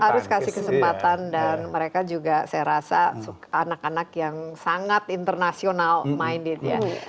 harus kasih kesempatan dan mereka juga saya rasa anak anak yang sangat international minded ya